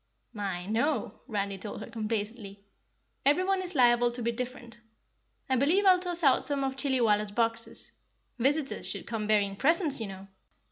"My, no," Randy told her complacently. "Everyone is liable to be different. I believe I'll toss out some of Chillywalla's boxes. Visitors should come bearing presents, you know!"